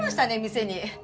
店に。